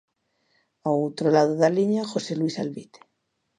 Ao outro lado da liña, José Luis Alvite.